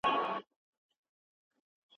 يا ئې هغوی د ايښوولو ځای نلري